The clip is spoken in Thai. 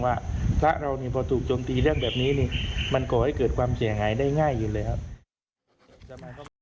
พระเราพอถูกจมตีเรื่องแบบนี้มันก่อให้เกิดความเสียหายได้ง่ายอยู่เลยครับ